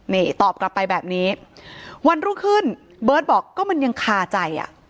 นี่ตอบกลับไปแบบนี้วันรุ่งขึ้นเบิร์ตบอกก็มันยังคาใจอ่ะ